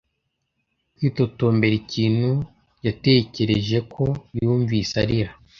kwitotombera ikintu. yatekereje ko yumvise arira